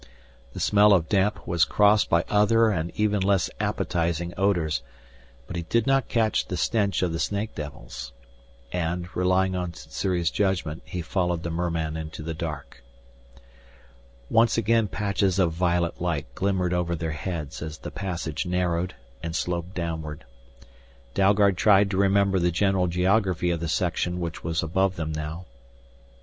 The smell of damp was crossed by other and even less appetizing odors, but he did not catch the stench of the snake devils. And, relying on Sssuri's judgment, he followed the merman into the dark. Once again patches of violet light glimmered over their heads as the passage narrowed and sloped downward. Dalgard tried to remember the general geography of the section which was above them now.